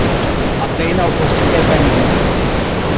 Apenaŭ post kelkaj minutoj.